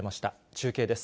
中継です。